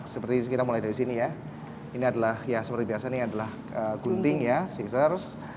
seperti kita mulai dari sini ya ini adalah ya seperti biasa ini adalah gunting ya sizers